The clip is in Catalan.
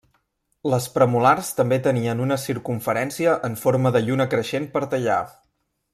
Les premolars també tenien una circumferència en forma de lluna creixent per tallar.